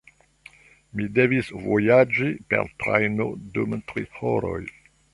Mi devis vojaĝi per trajno dum tri horoj.